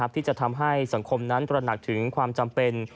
ที่จะทำให้สังคมนั้นตระหนักถึงความจำเป็น